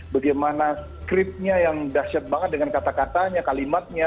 bagaimana scripnya yang dahsyat banget dengan kata katanya kalimatnya